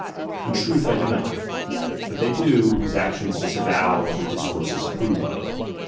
In truth I do not ; but they do, whose actions disavow what their discourses approve of.